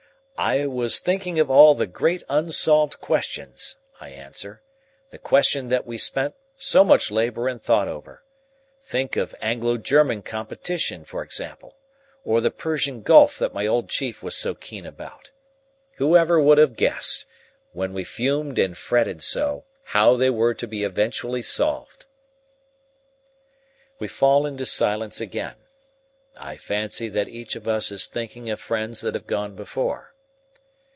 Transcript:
"I was thinking of all the great unsolved questions," I answer, "the questions that we spent so much labor and thought over. Think of Anglo German competition, for example or the Persian Gulf that my old chief was so keen about. Whoever would have guessed, when we fumed and fretted so, how they were to be eventually solved?" We fall into silence again. I fancy that each of us is thinking of friends that have gone before.